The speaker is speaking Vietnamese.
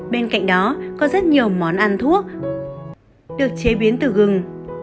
bên cạnh đó có rất nhiều món ăn thuốc được chế biến từ gừng